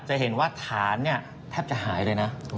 จะเห็นว่าฐานเนี่ยแทบจะหายเลยนะ